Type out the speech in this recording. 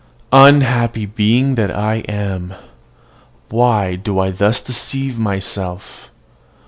Unhappy being that I am! Why do I thus deceive myself?